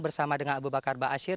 bersama dengan abu bakar baasyir